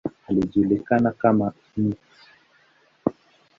Alijulikana kama ""Mt.